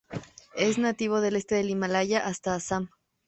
Es nativo del este del Himalaya hasta Assam.